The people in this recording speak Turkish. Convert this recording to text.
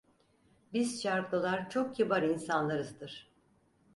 Biz şarklılar çok kibar insanlarızdır…